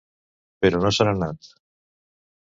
Però no se n'ha anat.